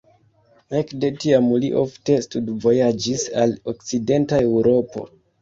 Ekde tiam li ofte studvojaĝis al okcidenta Eŭropo.